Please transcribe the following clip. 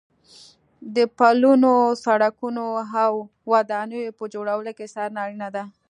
د پلونو، سړکونو او ودانیو په جوړولو کې څارنه اړینه ده.